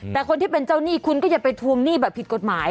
แต่คนที่เป็นเจ้าหนี้คุณก็อย่าไปทวงหนี้แบบผิดกฎหมาย